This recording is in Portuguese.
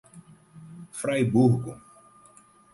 Fraiburgo